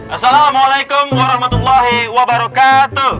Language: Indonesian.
assalamualaikum warahmatullahi wabarakatuh